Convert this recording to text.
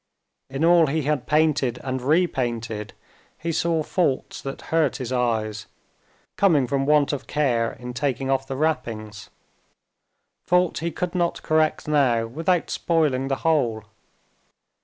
In all he had painted and repainted he saw faults that hurt his eyes, coming from want of care in taking off the wrappings—faults he could not correct now without spoiling the whole.